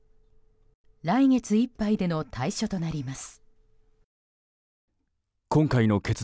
来月いっぱいでの退所となります。